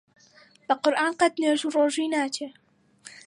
بە قورعان قەت نوێژ و ڕۆژووی ناچێ!